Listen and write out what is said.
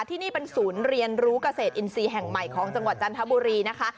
ที่นี่เป็นศูนย์เรียนรู้เกษตรอินทรีย์แห่งใหม่ของจังหวัดจันทบุรีนะคะ